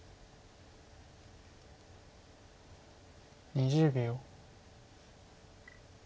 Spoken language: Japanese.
２０秒。